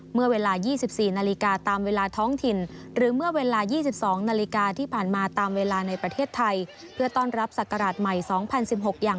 เมื่อเวลา๒๔นาฬิกาตามเวลาท้องถิ่น